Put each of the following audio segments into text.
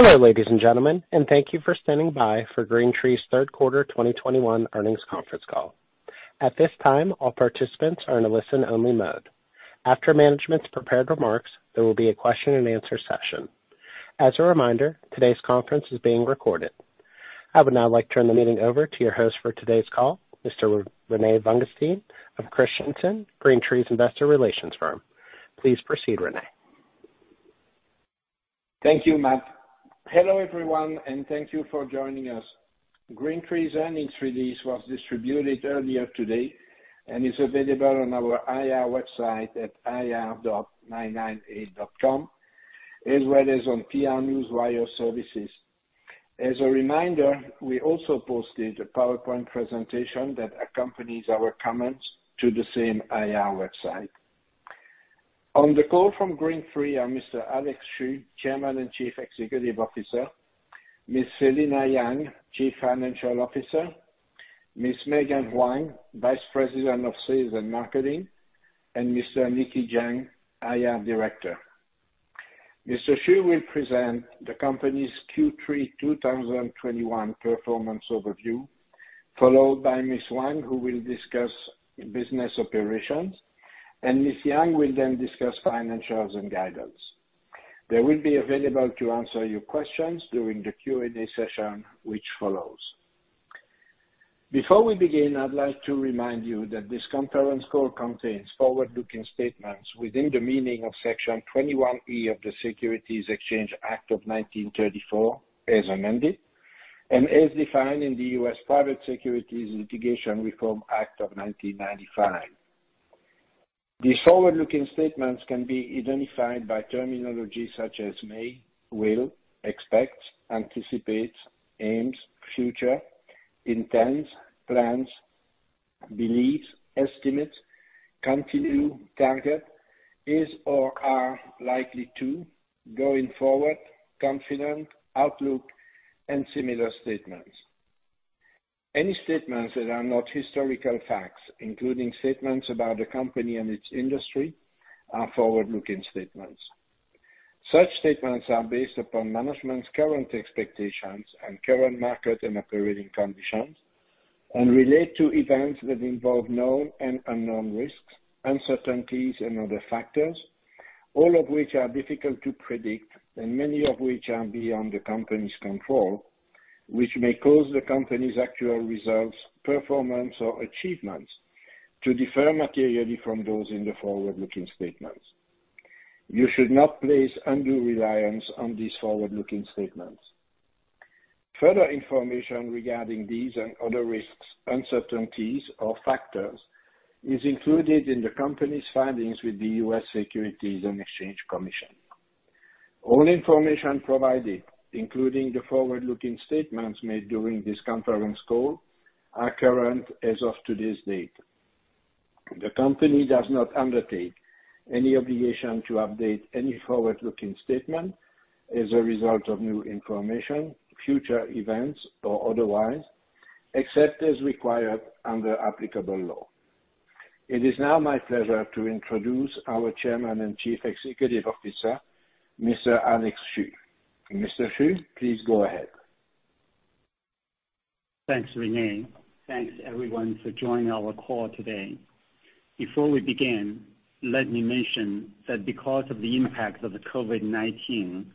Hello, ladies and gentlemen, and thank you for standing by for GreenTree's Q3 2021 Earnings Conference Call. At this time, all participants are in a listen-only mode. After management's prepared remarks, there will be a question and answer session. As a reminder, today's conference is being recorded. I would now like to turn the meeting over to your host for today's call, Mr. Rene Vanguestaine of Christensen, GreenTree's investor relations firm. Please proceed, Rene. Thank you, Matt. Hello, everyone, and thank you for joining us. GreenTree's earnings release was distributed earlier today and is available on our IR website at ir.998.com, as well as on PR Newswire services. As a reminder, we also posted a PowerPoint presentation that accompanies our comments to the same IR website. On the call from GreenTree are Mr. Alex Xu, Chairman and Chief Executive Officer, Ms. Selina Yang, Chief Financial Officer, Ms. Megan Huang, Vice President of Sales and Marketing, and Mr. Nicky Zheng, IR Director. Mr. Xu will present the company's Q3 2021 performance overview, followed by Ms. Huang, who will discuss business operations, and Ms. Yang will then discuss financials and guidance. They will be available to answer your questions during the Q&A session which follows. Before we begin, I'd like to remind you that this conference call contains forward-looking statements within the meaning of Section 21 of the Securities Exchange Act of 1934, as amended, and as defined in the U.S. Private Securities Litigation Reform Act of 1995. These forward-looking statements can be identified by terminology such as may, will, expect, anticipate, aims, future, intends, plans, believes, estimates, continue, target, is or are likely to, going forward, confident, outlook, and similar statements. Any statements that are not historical facts, including statements about the company and its industry, are forward-looking statements. Such statements are based upon management's current expectations and current market and operating conditions and relate to events that involve known and unknown risks, uncertainties, and other factors, all of which are difficult to predict and many of which are beyond the company's control, which may cause the company's actual results, performance, or achievements to differ materially from those in the forward-looking statements. You should not place undue reliance on these forward-looking statements. Further information regarding these and other risks, uncertainties, or factors is included in the company's filings with the U.S. Securities and Exchange Commission. All information provided, including the forward-looking statements made during this conference call, are current as of today's date. The company does not undertake any obligation to update any forward-looking statement as a result of new information, future events, or otherwise, except as required under applicable law. It is now my pleasure to introduce our Chairman and Chief Executive Officer, Mr. Alex Xu. Mr. Xu, please go ahead. Thanks, Rene. Thanks everyone for joining our call today. Before we begin, let me mention that because of the impact of the COVID-19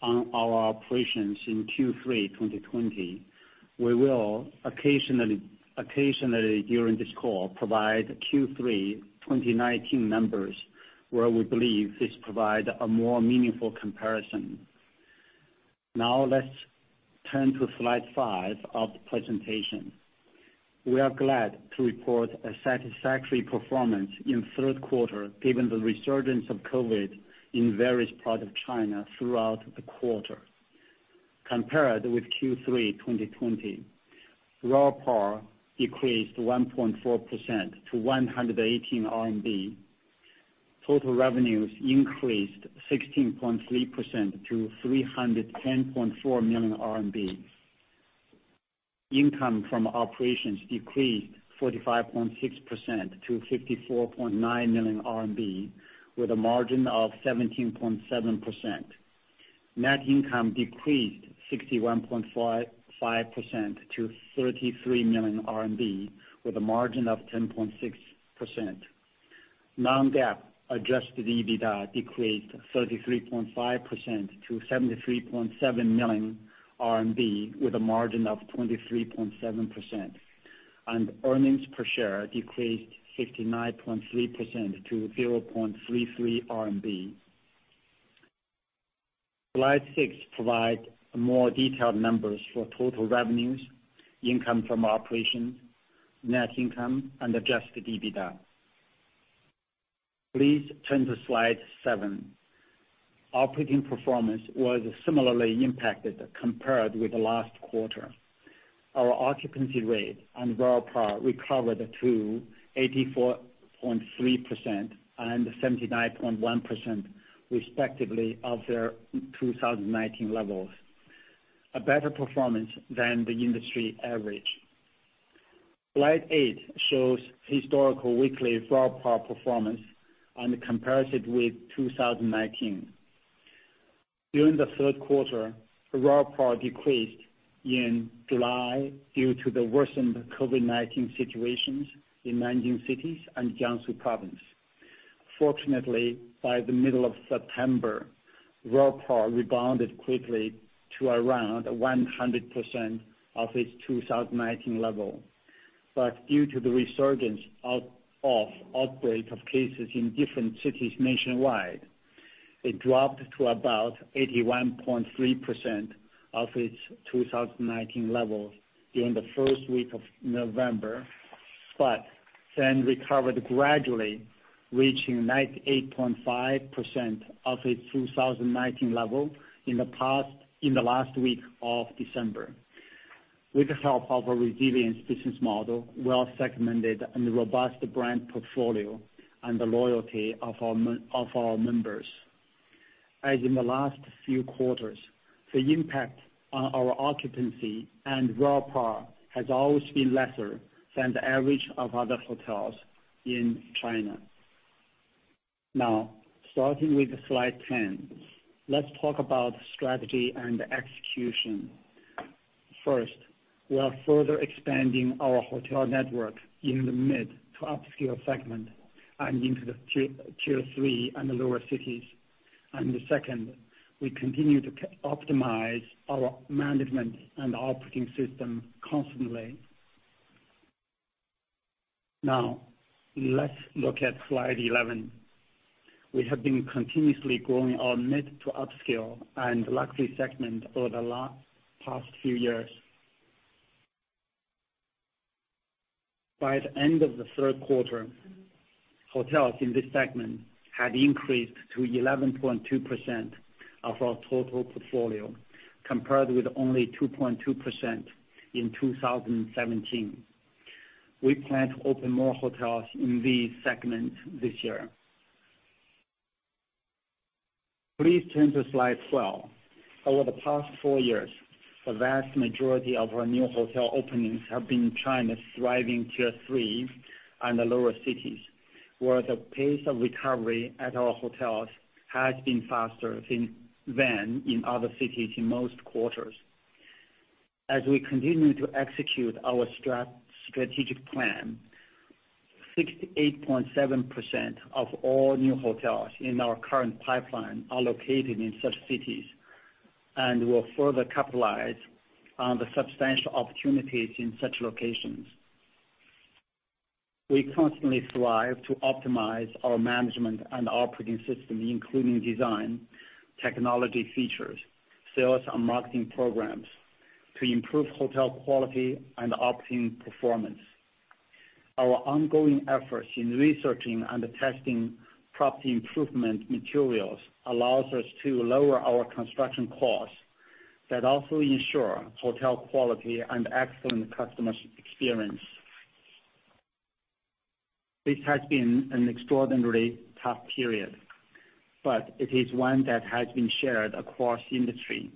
on our operations in Q3 2020, we will occasionally during this call provide Q3 2019 numbers where we believe this provide a more meaningful comparison. Now let's turn to slide five of the presentation. We are glad to report a satisfactory performance in third quarter given the resurgence of COVID in various parts of China throughout the quarter. Compared with Q3 2020, RevPAR decreased 1.4% to 118 RMB. Total revenues increased 16.3% to 310.4 million RMB. Income from operations decreased 45.6% to 54.9 million RMB with a margin of 17.7%. Net income decreased 61.55% to 33 million RMB with a margin of 10.6%. Non-GAAP adjusted EBITDA decreased 33.5% to 73.7 million RMB with a margin of 23.7%. Earnings per share decreased 59.3% to RMB 0.33. Slide six provide more detailed numbers for total revenues, income from operations, net income and adjusted EBITDA. Please turn to Slide seven. Operating performance was similarly impacted compared with the last quarter. Our occupancy rate on RevPAR recovered to 84.3% and 79.1% respectively of their 2019 levels, a better performance than the industry average. Slide eight shows historical weekly RevPAR performance and compares it with 2019. During the third quarter, RevPAR decreased in July due to the worsened COVID-19 situations in Nanjing cities and Jiangsu Province. Fortunately, by the middle of September, RevPAR rebounded quickly to around 100% of its 2019 level. Due to the resurgence of the outbreak of cases in different cities nationwide, it dropped to about 81.3% of its 2019 levels during the first week of November, but then recovered gradually, reaching 98.5% of its 2019 level in the last week of December, with the help of a resilient business model, well segmented and robust brand portfolio and the loyalty of our members. As in the last few quarters, the impact on our occupancy and RevPAR has always been lesser than the average of other hotels in China. Now, starting with slide 10, let's talk about strategy and execution. First, we are further expanding our hotel network in the mid to upscale segment and into the Tier 3 and the lower cities. Second, we continue to optimize our management and operating system constantly. Now, let's look at slide 11. We have been continuously growing our mid to upscale and luxury segment over the past few years. By the end of the third quarter, hotels in this segment had increased to 11.2% of our total portfolio, compared with only 2.2% in 2017. We plan to open more hotels in these segments this year. Please turn to slide 12. Over the past four years, the vast majority of our new hotel openings have been in China's thriving Tier 3 and the lower cities, where the pace of recovery at our hotels has been faster than in other cities in most quarters. As we continue to execute our strategic plan, 68.7% of all new hotels in our current pipeline are located in such cities and will further capitalize on the substantial opportunities in such locations. We constantly strive to optimize our management and operating system, including design, technology features, sales and marketing programs, to improve hotel quality and operating performance. Our ongoing efforts in researching and testing property improvement materials allows us to lower our construction costs that also ensure hotel quality and excellent customer experience. This has been an extraordinarily tough period, but it is one that has been shared across the industry.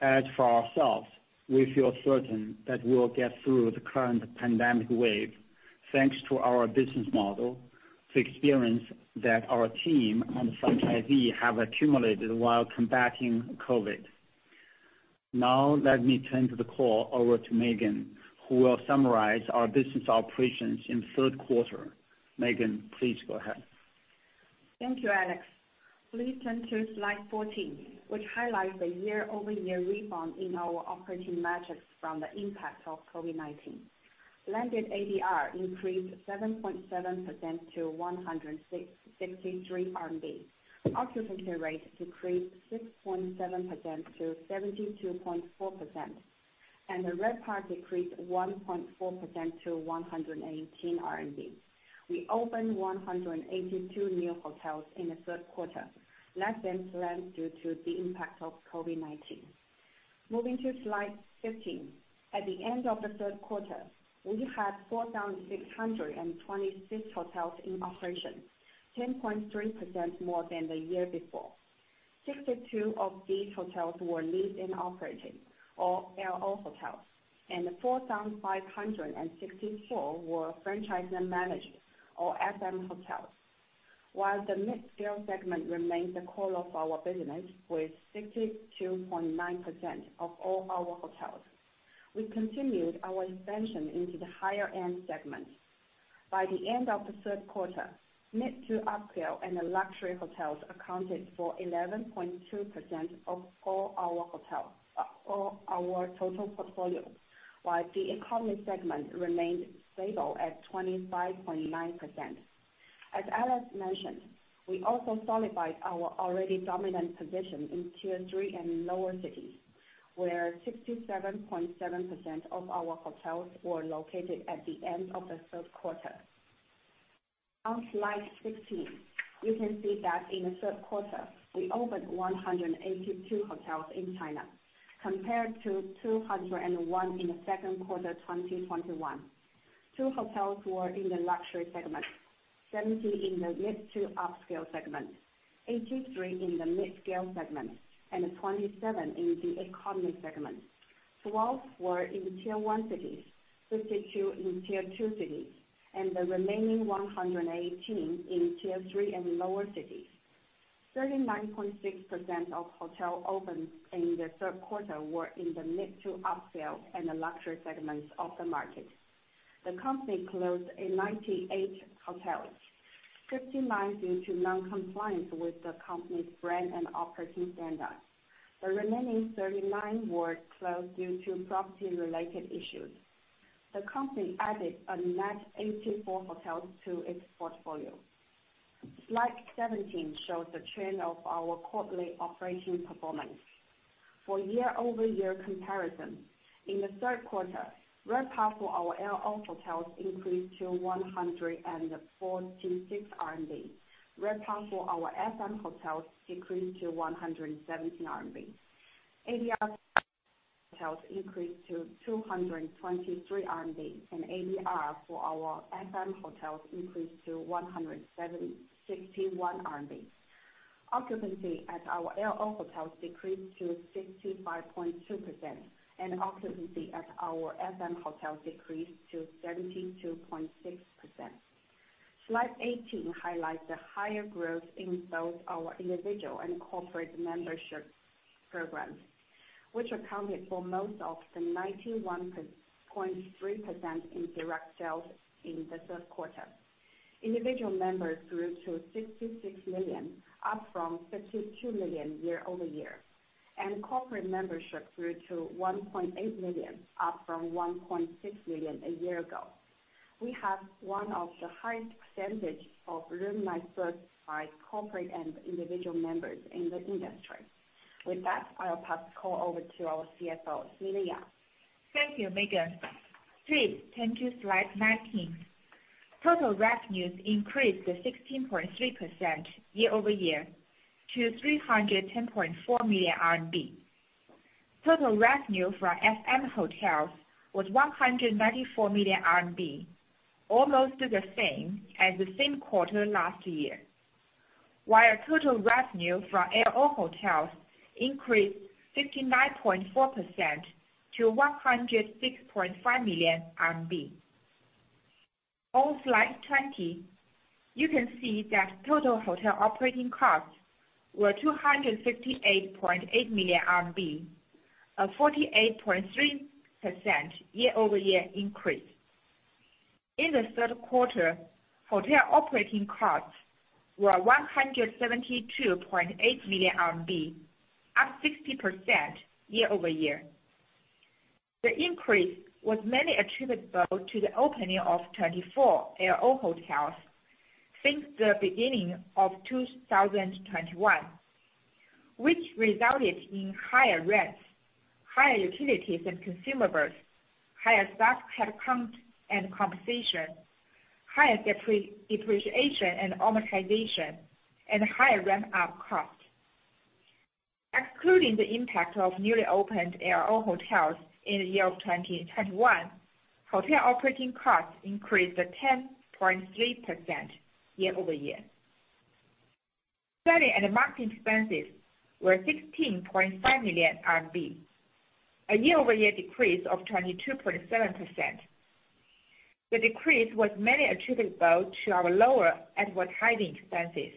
As for ourselves, we feel certain that we will get through the current pandemic wave thanks to our business model, the experience that our team and our franchisee have accumulated while combating COVID. Now, let me turn the call over to Megan, who will summarize our business operations in the third quarter. Megan, please go ahead. Thank you, Alex. Please turn to slide 14, which highlights the year-over-year rebound in our operating metrics from the impact of COVID-19. Landed ADR increased 7.7% to 163 RMB. Occupancy rate decreased 6.7%-72.4%, and the RevPAR decreased 1.4% to 118 RMB. We opened 182 new hotels in the third quarter, less than planned due to the impact of COVID-19. Moving to slide 15. At the end of the third quarter, we had 4,626 hotels in operation, 10.3% more than the year before. 62 of these hotels were leased-and-operated or L&O hotels, and the 4,564 were franchise and managed or FM hotels. While the mid-scale segment remains the core of our business with 62.9% of all our hotels. We continued our expansion into the higher end segments. By the end of the third quarter, mid to upscale and the luxury hotels accounted for 11.2% of all our total portfolio, while the economy segment remained stable at 25.9%. As Alex mentioned, we also solidified our already dominant position in Tier 3 and in lower cities, where 67.7% of our hotels were located at the end of the third quarter. On slide 16, you can see that in the third quarter, we opened 182 hotels in China compared to 201 in the second quarter, 2021. Two hotels were in the luxury segment. 70 in the mid-to-upscale segment, 83 in the midscale segment, and 27 in the economy segment. 12 were in Tier 1 cities, 52 in Tier 2 cities, and the remaining 118 in Tier 3 and lower cities. 39.6% of hotel opens in the third quarter were in the mid-to-upscale and the luxury segments of the market. The company closed 98 hotels. 59 due to non-compliance with the company's brand and operating standards. The remaining 39 were closed due to property-related issues. The company added a net 84 hotels to its portfolio. Slide 17 shows the trend of our quarterly operating performance. For year-over-year comparison, in the third quarter, RevPAR for our L&O hotels increased to 146 RMB. RevPAR for our FM hotels decreased to 117 RMB. ADR hotels increased to 223 RMB, and ADR for our FM hotels increased to 176 RMB. Occupancy at our LO hotels decreased to 65.2%, and occupancy at our FM hotels decreased to 72.6%. Slide 18 highlights the higher growth in both our individual and corporate membership programs, which accounted for most of the 91.3% in direct sales in the third quarter. Individual members grew to 66 million, up from 52 million year-over-year. Corporate membership grew to 1.8 million, up from 1.6 million a year ago. We have one of the highest percentage of room night booked by corporate and individual members in the industry. With that, I'll pass the call over to our CFO, Selina Yang. Thank you, Megan. Please turn to slide 19. Total revenues increased 16.3% year-over-year to RMB 310.4 million. Total revenue for our FM hotels was 194 million RMB, almost the same as the same quarter last year. While total revenue from LO hotels increased 59.4% to 106.5 million RMB. On slide 20, you can see that total hotel operating costs were 258.8 million RMB, a 48.3% year-over-year increase. In the third quarter, hotel operating costs were 172.8 million RMB, up 60% year-over-year. The increase was mainly attributable to the opening of 24 LO hotels since the beginning of 2021, which resulted in higher rents, higher utilities and consumables, higher staff headcount and compensation, higher depreciation and amortization, and higher ramp-up costs. Excluding the impact of newly opened LO hotels in the year of 2021, hotel operating costs increased to 10.3% year-over-year. Selling and marketing expenses were 16.5 million RMB, a year-over-year decrease of 22.7%. The decrease was mainly attributable to our lower advertising expenses.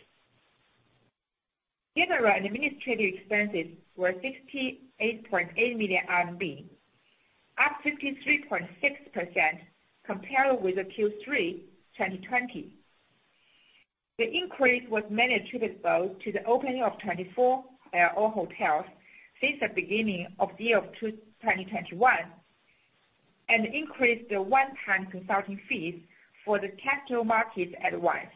General administrative expenses were 68.8 million RMB, up 53.6% compared with Q3 2020. The increase was mainly attributable to the opening of 24 LO hotels since the beginning of the year of 2021, and increased the one-time consulting fees for the technical market advice.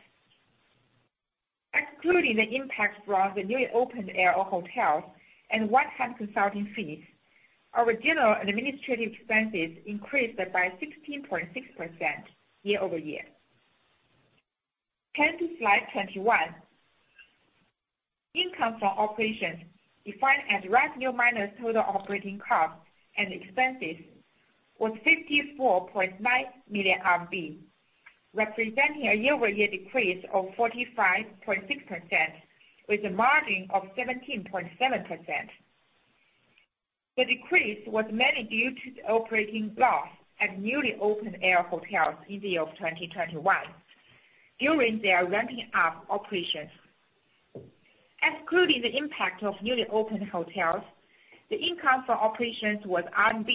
Excluding the impact from the newly opened L&O hotels and one-time consulting fees, our general administrative expenses increased by 16.6% year-over-year. Turn to slide 21. Income from operations defined as revenue minus total operating costs and expenses was 54.9 million RMB, representing a year-over-year decrease of 45.6% with a margin of 17.7%. The decrease was mainly due to the operating loss at newly opened L&O hotels in the year of 2021 during their ramping up operations. Excluding the impact of newly opened hotels, the income from operations was RMB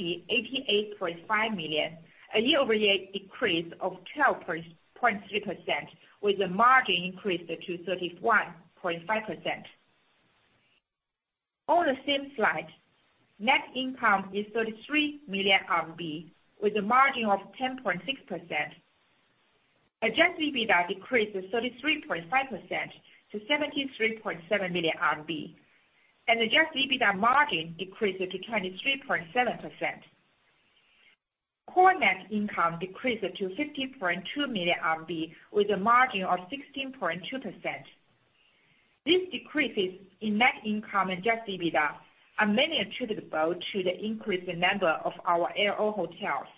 88.5 million, a year-over-year decrease of 12.3% with a margin increase to 31.5%. On the same slide, net income is 33 million RMB with a margin of 10.6%. Adjusted EBITDA decreased 33.5% to 73.7 million RMB, and adjusted EBITDA margin decreased to 23.7%. Core net income decreased to 50.2 million RMB with a margin of 16.2%. These decreases in net income and adjusted EBITDA are mainly attributable to the increased number of our L&O hotels,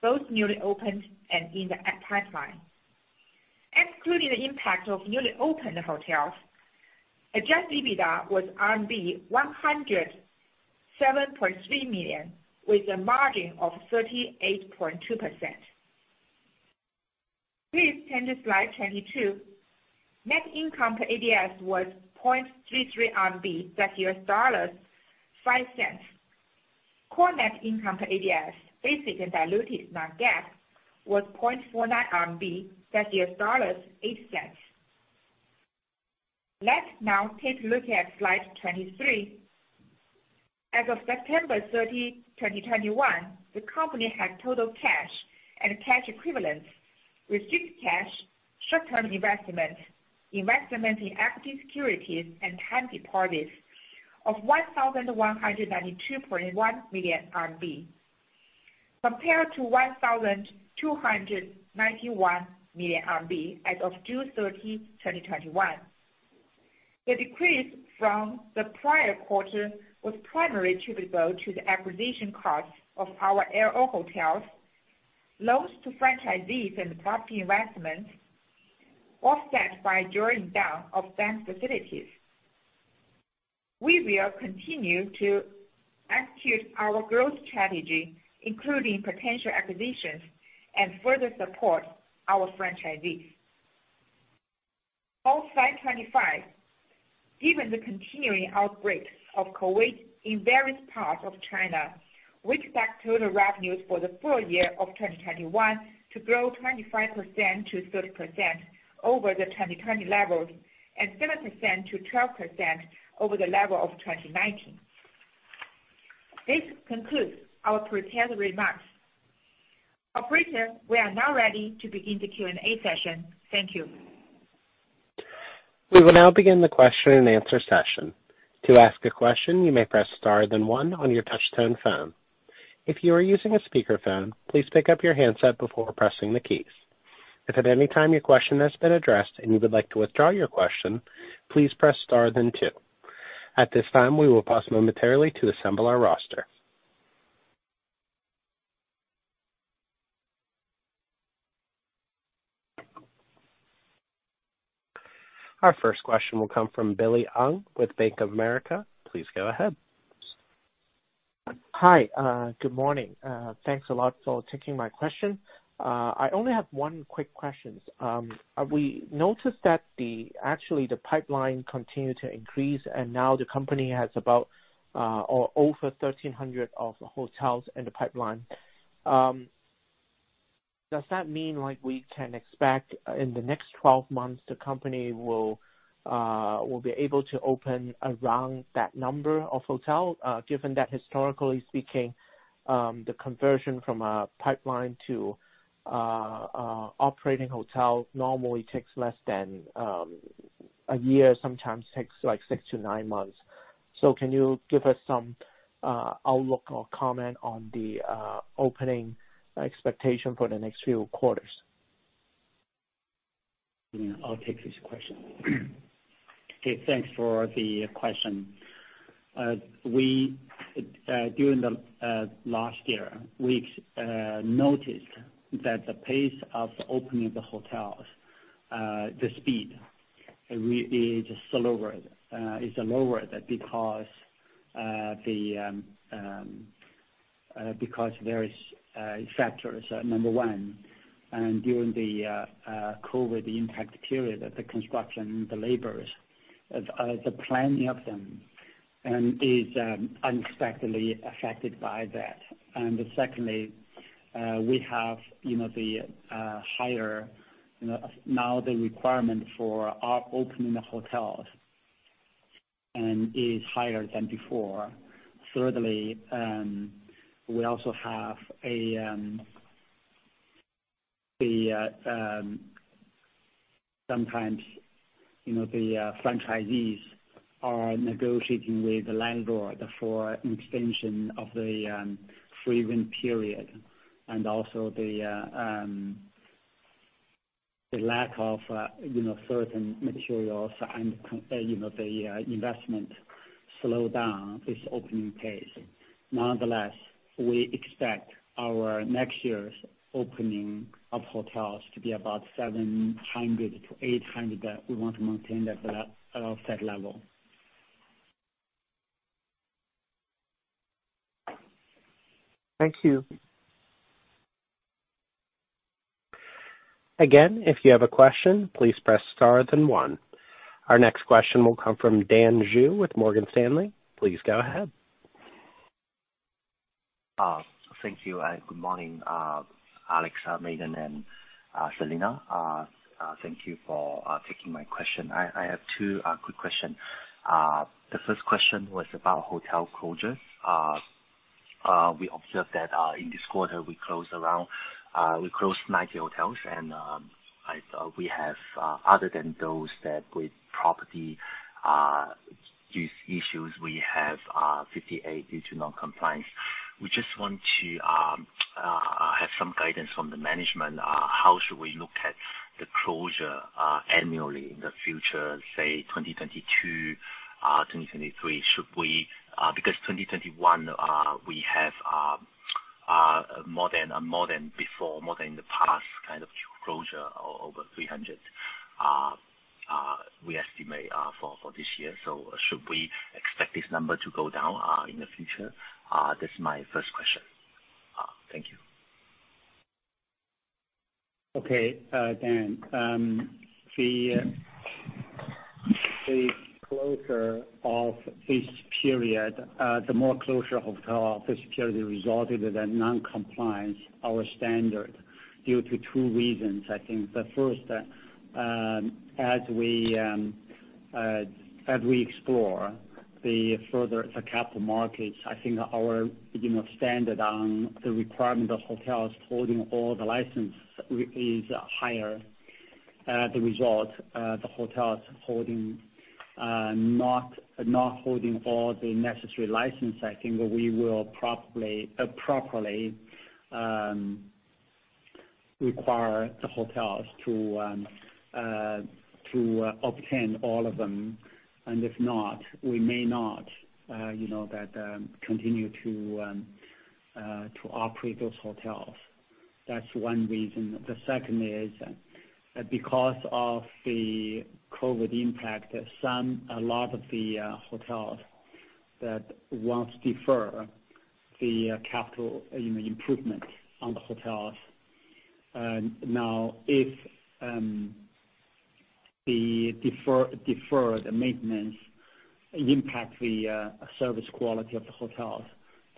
both newly opened and in the pipeline. Excluding the impact of newly opened hotels, adjusted EBITDA was RMB 107.3 million, with a margin of 38.2%. Please turn to slide 22. Net income per ADS was 0.33 RMB, that's $0.05. Core net income per ADS, basic and diluted non-GAAP, was RMB 0.49, that's $0.08. Let's now take a look at slide 23. As of September 30, 2021, the company had total cash and cash equivalents, restricted cash, short-term investment in equity securities and third parties of 1,192.1 million RMB compared to 1,291 million RMB as of June 30, 2021. The decrease from the prior quarter was primarily attributable to the acquisition costs of our L&O hotels, loans to franchisees and property investments, offset by drawing down of bank facilities. We will continue to execute our growth strategy, including potential acquisitions and further support our franchisees. On slide 25, given the continuing outbreak of COVID in various parts of China, we expect total revenues for the full year of 2021 to grow 25%-30% over the 2020 levels and 7%-12% over the level of 2019. This concludes our prepared remarks. Operator, we are now ready to begin the Q&A session. Thank you. We will now begin the question-and-answer session. To ask a question, you may press star then one on your touchtone phone. If you are using a speakerphone, please pick up your handset before pressing the keys. If at any time your question has been addressed and you would like to withdraw your question, please press star then two. At this time, we will pause momentarily to assemble our roster. Our first question will come from Billy Ng with Bank of America. Please go ahead. Hi. Good morning. Thanks a lot for taking my question. I only have one quick question. We noticed that actually the pipeline continued to increase and now the company has about over 1,300 hotels in the pipeline. Does that mean like we can expect in the next 12 months the company will be able to open around that number of hotels given that historically speaking the conversion from a pipeline to operating hotels normally takes less than a year sometimes takes like six to nine months. Can you give us some outlook or comment on the opening expectation for the next few quarters? I'll take this question. Okay, thanks for the question. We during the last year noticed that the pace of opening the hotels, the speed is slower, is lower because there is factors. Number one, during the COVID impact period that the construction, the laborers, the planning of them is unexpectedly affected by that. Secondly, we have, you know, the higher, you know, now the requirement for our opening the hotels is higher than before. Thirdly, we also have, sometimes, you know, the franchisees are negotiating with the landlord for extension of the free rent period. Also the lack of you know certain materials and you know the investment slow down this opening pace. Nonetheless, we expect our next year's opening of hotels to be about 700-800 that we want to maintain that level. Thank you. Again, if you have a question, please press star then one. Our next question will come from Dan Xu with Morgan Stanley. Please go ahead. Thank you, and good morning, Alex, Megan and Selina. Thank you for taking my question. I have two quick question. The first question was about hotel closures. We observed that in this quarter we closed 90 hotels, and other than those with property use issues, we have 58 due to non-compliance. We just want to have some guidance from management. How should we look at the closures annually in the future, say 2022, 2023? Should we, because 2021 we have more than before, more than the past kind of closures over 300 we estimate for this year. Should we expect this number to go down in the future? This is my first question. Thank you. Okay. Dan, the closure of this period, the closure of our first period resulted in noncompliance with our standards due to two reasons I think. The first, as we explore the capital markets further, I think our standards on the requirements for hotels holding all the licenses are higher. As a result, the hotels not holding all the necessary licenses, I think we will probably promptly require the hotels to obtain all of them. If not, we may not continue to operate those hotels. That's one reason. The second is because of the COVID impact, a lot of the hotels that wants to defer the capital improvements on the hotels. Now, if the deferred maintenance impacts the service quality of the hotels,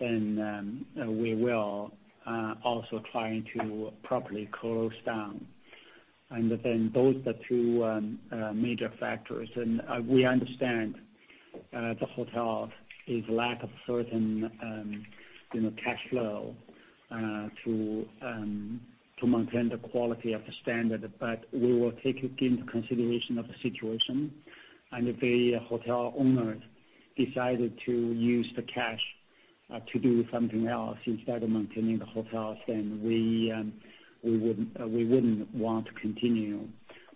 then we will also try to properly close down. Then those are the two major factors. We understand the hotel lacks certain, you know, cash flow to maintain the quality of the standard. But we will take it into consideration of the situation. If the hotel owners decide to use the cash to do something else instead of maintaining the hotels, then we wouldn't want to continue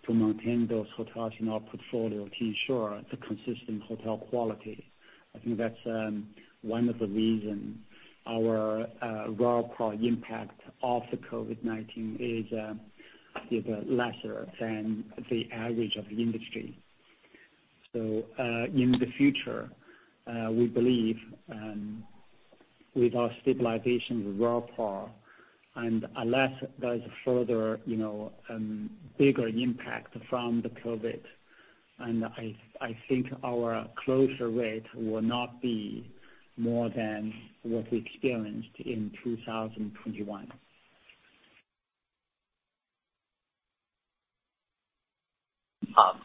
to maintain those hotels in our portfolio to ensure the consistent hotel quality. I think that's one of the reasons our RevPAR impact of the COVID-19 is lesser than the average of the industry. In the future, we believe with our stabilization of RevPAR and unless there's a further, you know, bigger impact from the COVID, and I think our closure rate will not be more than what we experienced in 2021.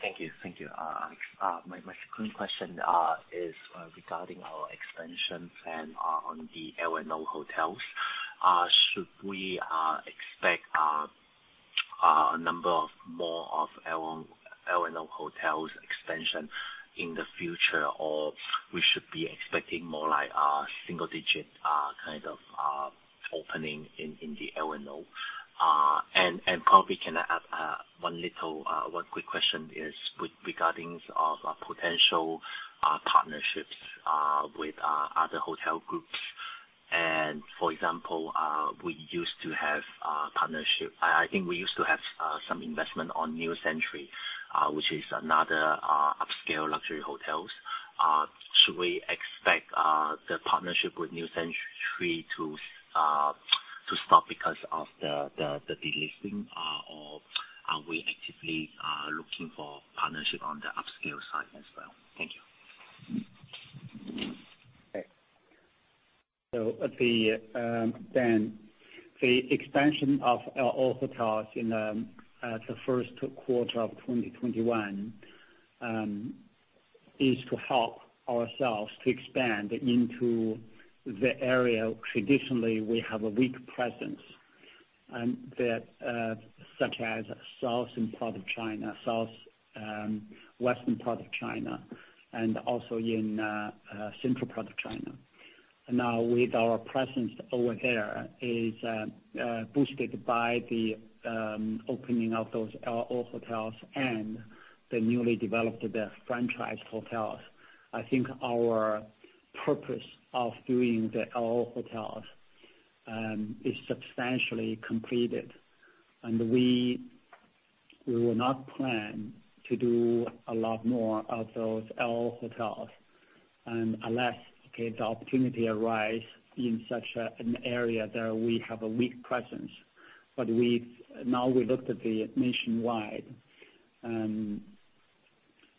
Thank you. My second question is regarding our expansion plan on the L&O hotels. Should we expect a number of more L&O hotels expansion in the future, or should we be expecting more like single digit kind of opening in the L&O? Can I add one quick question with regard to potential partnerships with other hotel groups. For example, we used to have partnership. I think we used to have some investment in New Century, which is another upscale luxury hotels. Should we expect the partnership with New Century to stop because of the delisting, or are we actively looking for partnership on the upscale side as well? Thank you. Dan, the expansion of our all hotels in the first quarter of 2021 is to help ourselves to expand into the area traditionally we have a weak presence, such as southern part of China, southwestern part of China, and also in central part of China. Now, our presence over there is boosted by the opening of those L&O hotels and the newly developed franchise hotels. I think our purpose of doing the L&O hotels is substantially completed, and we will not plan to do a lot more of those L&O hotels unless the opportunity arise in such an area that we have a weak presence. Now we looked at the nationwide,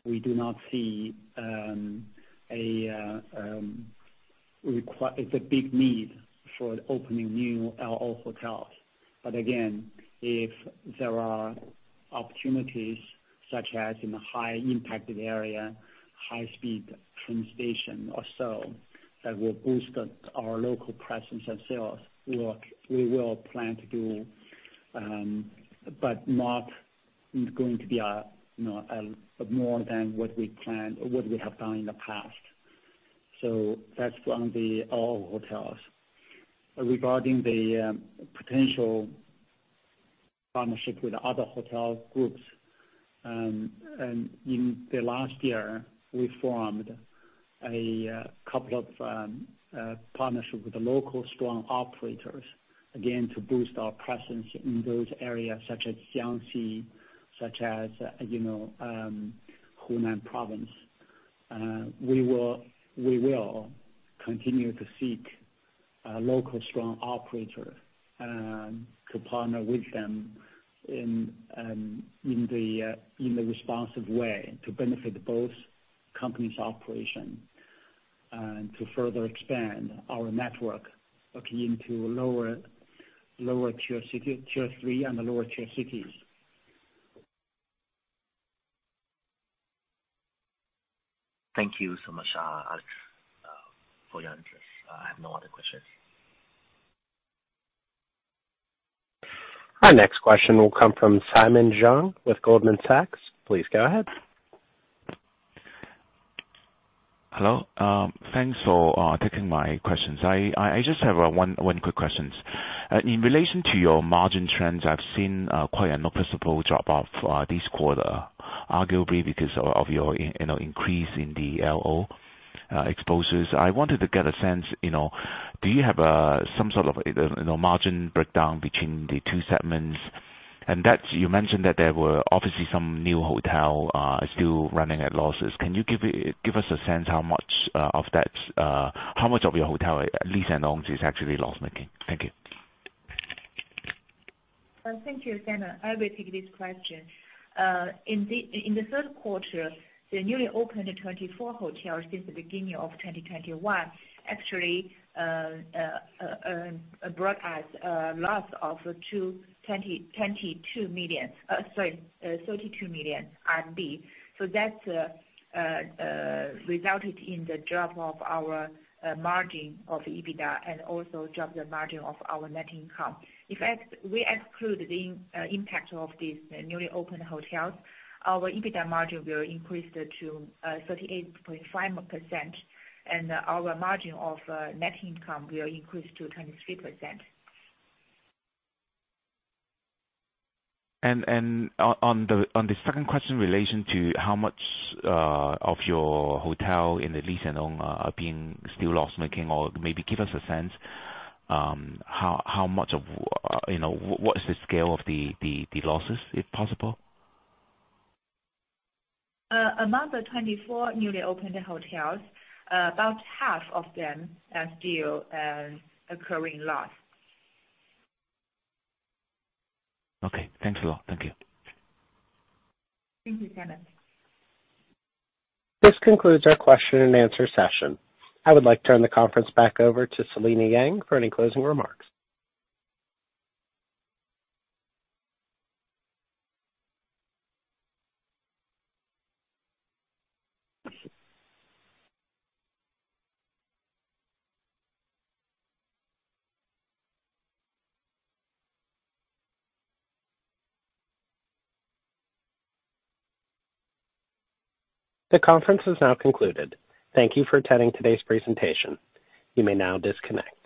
we do not see a big need for opening new L&O hotels. Again, if there are opportunities such as in a high impacted area, high-speed train station or so, that will boost our local presence and sales, we will plan to do, but not. It's going to be, you know, more than what we planned or what we have done in the past. That's on the L&O hotels. Regarding the potential partnership with other hotel groups, and in the last year, we formed a couple of partnership with the local strong operators, again, to boost our presence in those areas such as Jiangxi, such as, you know, Hunan province. We will continue to seek a local strong operator to partner with them in the responsive way to benefit both companies' operation, and to further expand our network into lower Tier 3 and the lower Tier cities. Thank you so much, Alex, for your answers. I have no other questions. Our next question will come from Simon Cheung with Goldman Sachs. Please go ahead. Hello. Thanks for taking my questions. I just have one quick question. In relation to your margin trends, I've seen quite a noticeable drop-off for this quarter, arguably because of your, you know, increase in the LO exposures. I wanted to get a sense, you know, do you have some sort of, you know, margin breakdown between the two segments. You mentioned that there were obviously some new hotels still running at losses. Can you give us a sense of how much of your hotel L&O is actually loss-making? Thank you. Thank you, Simon. I will take this question. In the third quarter, the newly opened 24 hotels since the beginning of 2021 actually brought us a loss of 32 million RMB. That resulted in the drop of our margin of EBITDA and also dropped the margin of our net income. If we exclude the impact of these newly opened hotels, our EBITDA margin will increase to 38.5%, and our margin of net income will increase to 23%. On the second question in relation to how much of your hotels in the leased-and-operated are being still loss-making, or maybe give us a sense, how much of, you know, what is the scale of the losses, if possible? Among the 24 newly opened hotels, about half of them are still incurring loss. Okay. Thanks a lot. Thank you. Thank you, Simon. This concludes our question and answer session. I would like to turn the conference back over to Selina Yang for any closing remarks. The conference is now concluded. Thank you for attending today's presentation. You may now disconnect.